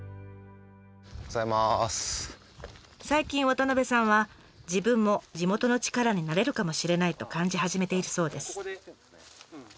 最近渡部さんは自分も地元の力になれるかもしれないと感じ始めているそうです。